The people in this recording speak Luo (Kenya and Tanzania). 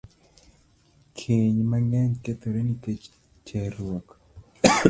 Keny mang'eny kethore nikech terruok.